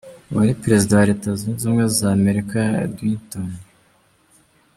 Uwari perezida wa Leta zunze ubumwe za Amerika Dwight D.